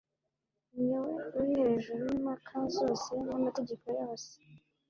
ni we uri hejuru y'impaka zose n'amategeko yose.